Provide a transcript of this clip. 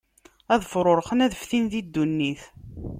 Ad fṛuṛxen, ad ftin di ddunit.